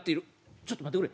「ちょっと待ってくれ。